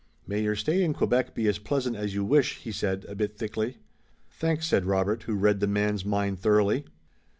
"May your stay in Quebec be as pleasant as you wish," he said, a bit thickly. "Thanks," said Robert, who read the man's mind thoroughly.